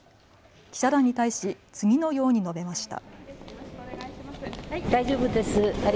記者団に対し次のように述べました。